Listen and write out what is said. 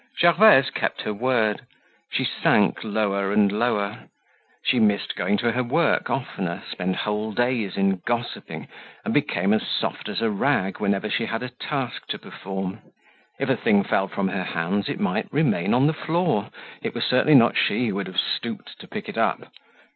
Gervaise kept her word. She sank lower and lower; she missed going to her work oftener, spent whole days in gossiping, and became as soft as a rag whenever she had a task to perform. If a thing fell from her hands, it might remain on the floor; it was certainly not she who would have stooped to pick it up.